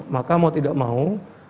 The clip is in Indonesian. maka mau tidak mau